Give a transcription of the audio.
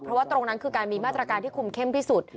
เพราะว่าตรงนั้นคือการมีมาตรการที่คุมเข้มที่สุด